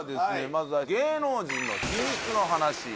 まずは芸能人の秘密の話